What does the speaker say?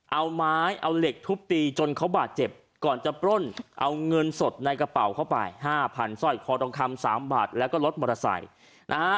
เอาไม้เอาเหล็กทุบตีจนเขาบาดเจ็บก่อนจะปล้นเอาเงินสดในกระเป๋าเข้าไปห้าพันสร้อยคอทองคำสามบาทแล้วก็รถมอเตอร์ไซค์นะฮะ